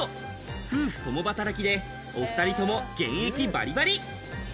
夫婦共働きで、お２人とも現役バリバリ。